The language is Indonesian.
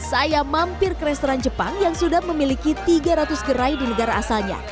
saya mampir ke restoran jepang yang sudah memiliki tiga ratus gerai di negara asalnya